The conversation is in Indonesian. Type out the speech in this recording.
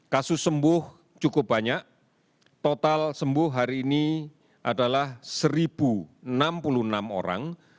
kasus sembuh cukup banyak total sembuh hari ini adalah satu enam puluh enam orang